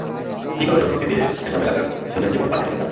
ঠিক হলো সৌরশক্তি দিয়েই সেসব এলাকার শিশুদের জীবন পাল্টে দেবেন তাঁরা।